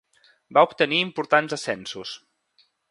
Va obtenir importants ascensos.